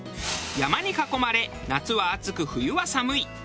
山に囲まれ夏は暑く冬は寒い。